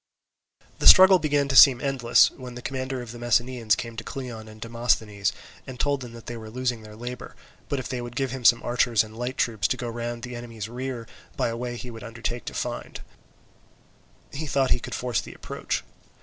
The struggle began to seem endless, when the commander of the Messenians came to Cleon and Demosthenes, and told them that they were losing their labour: but if they would give him some archers and light troops to go round on the enemy's rear by a way he would undertake to find, he thought he could force the approach.